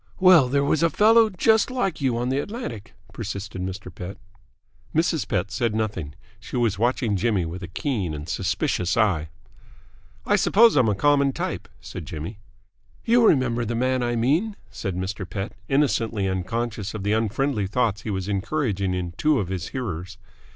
"Well, there was a fellow just like you on the Atlantic," persisted Mr. Pett. Mrs. Pett said nothing. She was watching Jimmy with a keen and suspicious eye. "I suppose I'm a common type," said Jimmy. "You remember the man I mean," said Mr. Pett, innocently unconscious of the unfriendly thoughts he was encouraging in two of his hearers.